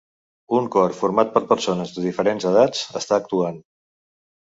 Un cor format per persones de diferents edats està actuant.